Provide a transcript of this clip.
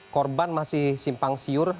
korban masih simbang siur